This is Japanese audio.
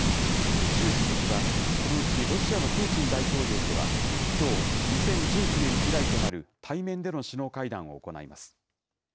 習主席は、このうちロシアのプーチン大統領とはきょう、２０１９年以来となる対面での首脳会談を行います。